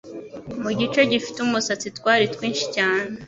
mu gice gifite umusatsi twari twinshi cyane